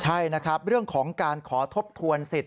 ใช่นะครับเรื่องของการขอทบทวนสิทธิ